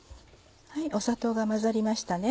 砂糖が混ざりましたね。